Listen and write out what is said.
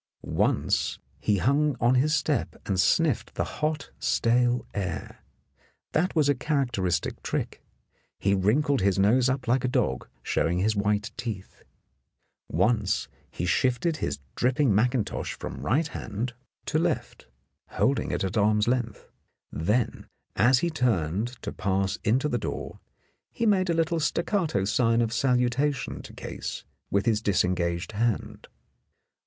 Once he hung on his step and sniffed the hot, stale air. That was a characteristic trick; he wrinkled his nose up like a dog, showing his white teeth. Once he shifted his dripping mackintosh from right hand 123 In the Dark to left, holding it at arm's length. Then, as he turned to pass into the door, he made a little staccato sign of salutation to Case with his disengaged hand.